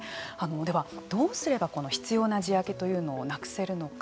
では、どうすればこの執ような地上げというのをなくせるのか。